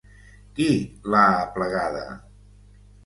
Qui l'ha aplegada?